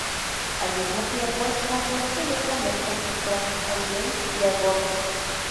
Al mismo tiempo, Spot no quiere comer porque extraña a James y a Gordon.